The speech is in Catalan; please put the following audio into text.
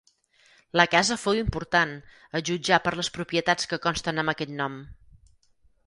La casa fou important, a jutjar per les propietats que consten amb aquest nom.